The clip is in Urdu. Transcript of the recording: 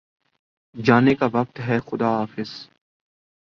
جانے کا وقت ہےخدا حافظ